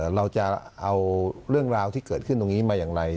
เราจะเอาเรื่องราวที่เกิดขึ้นตรงนี้มาอย่างไร